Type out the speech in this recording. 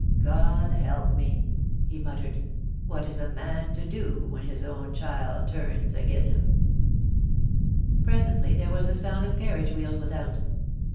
* God help me !' he muttered ;* what is a man to do when his own child turns agen him }* Presently there was the sound of carriage wheels without.